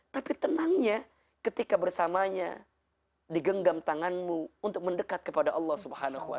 tapi tenangnya ketika bersamanya digenggam tanganmu untuk mendekat kepada allah swt